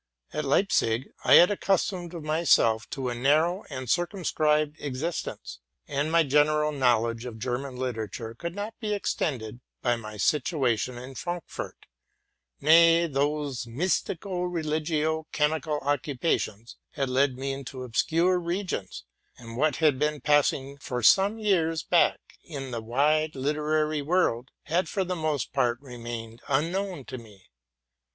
At Leipzig I had accus tomed myself to a narrow and circumscribed existence, and my general knowledge of German literature could not be extended by my situation in Frankfort; nay, those mystico religio chemical occupations had led me into obscure regions, and what had been passing for some years back in the wide literary world had, for the most part, remained unknown to me.